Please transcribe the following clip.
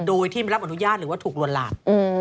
โดยที่ไม่รับอนุญาตหรือว่าถูกลวนลาม